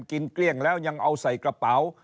เกลี้ยงแล้วยังเอาใส่กระเป๋า